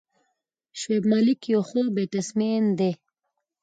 شعیب ملک یو ښه بیټسمېن دئ.